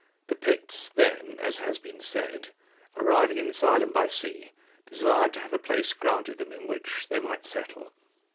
The Picts then, as has been said, arriving in this island by sea, desired to have a place granted them in which they might settle.